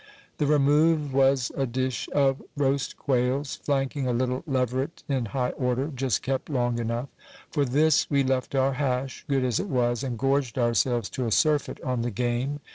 The remove was a dish of roast quails, flanking a little leveret in high order, just kept long enough ; for this we left our hash, good as it was, and gorged ourselves to a surfeit on the game.